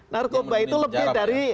narkoba itu lebih dari